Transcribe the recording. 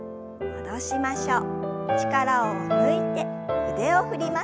戻しましょう。